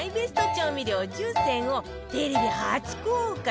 調味料１０選をテレビ初公開